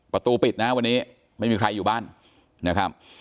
ประตูปิดนะวันนี้ไม่มีใครอยู่บ้านนะครับ